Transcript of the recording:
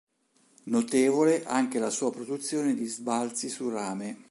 Notevole anche la sua produzione di sbalzi su rame.